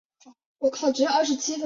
维雷库尔。